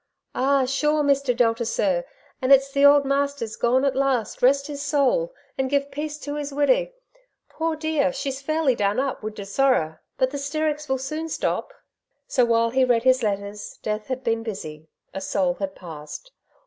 *' Ah, sure, Mr. Delta, sir, and it's the ould mas ther's gone at last, rest his soul ! and give peace to his widdie ! Poor dear, she's fairly done up, wid the sorror ; but the 'stericks will soon stop." So while he read his letters death had been busy ; a soul had passed.